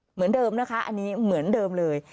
เหมือนเดิมนะคะอันนี้เหมือนเดิมเลย